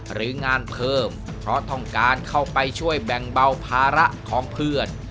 หรืองานเพิ่มเพราะต้องการเข้าไปช่วยแบ่งเบาภาระของเพื่อน